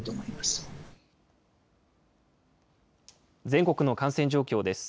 全国の感染状況です。